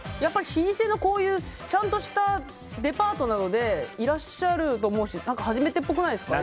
老舗のちゃんとしたデパートなのでいらっしゃると思うし初めてっぽくないですか。